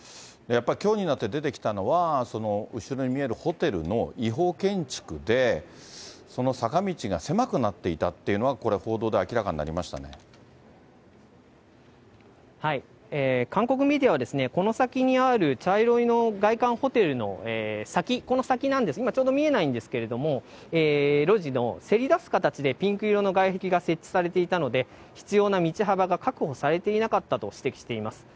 やっぱりきょうになって出てきたのは、後ろに見えるホテルの違法建築で、その坂道が狭くなっていたっていうのが、これは報道で明らかにな韓国メディアは、この先にある茶色の外観のホテルの先、この先なんです、今ちょうど見えないんですけれども、路地をせり出す形でピンク色の外壁が設置されていたので、必要な道幅が確保されていなかったと指摘しています。